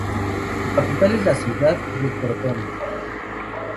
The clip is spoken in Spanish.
Su capital es la ciudad de Crotone.